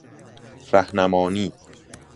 رهنمانی